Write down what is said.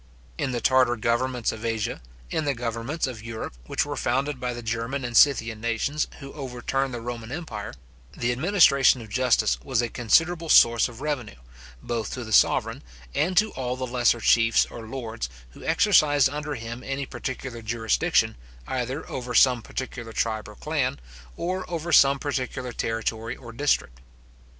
In the Tartar governments of Asia, in the governments of Europe which were founded by the German and Scythian nations who overturned the Roman empire, the administration of justice was a considerable source of revenue, both to the sovereign, and to all the lesser chiefs or lords who exercised under him any particular jurisdiction, either over some particular tribe or clan, or over some particular territory or district.